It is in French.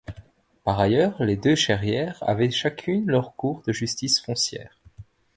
Par ailleurs, les deux Chairière avaient chacune leur cour de justice foncière.